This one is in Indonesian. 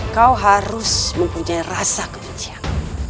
kau harus mempunyai rasa kebencian